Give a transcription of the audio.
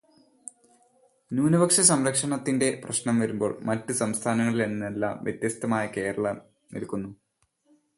ന്യൂനപക്ഷ സംരക്ഷണത്തിന്റെ പ്രശ്നം വരുമ്പോൾ മറ്റ് സംസ്ഥാനങ്ങളിൽനിന്നെല്ലാം വ്യത്യസ്തമായി കേരളം നിൽക്കുന്നു.